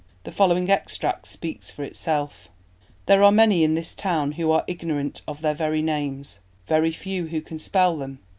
The following extract speaks for itself: "There are many in this town who are ignorant of their very names; very few who can spell them.